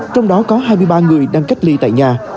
trong đó có hai mươi ba người đang cách ly tại nhà